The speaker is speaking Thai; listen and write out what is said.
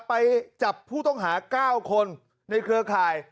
ไปจับผู้ต้องหา๙คนในเครือข่าย